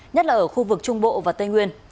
nhất là ở khu vực trung bộ và tây nguyên